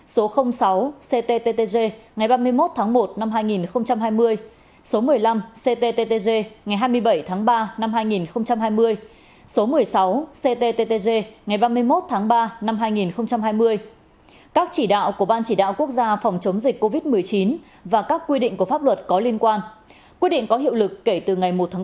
số sáu ctttg ngày ba mươi một tháng một năm hai nghìn hai mươi số một mươi năm ctttg ngày hai mươi bảy tháng ba năm hai nghìn hai mươi số một mươi sáu ctttg ngày ba mươi một tháng ba năm hai nghìn hai mươi các chỉ đạo của ban chỉ đạo quốc gia phòng chống dịch covid một mươi chín và các quy định của pháp luật có liên quan quy định có hiệu lực kể từ ngày một tháng bốn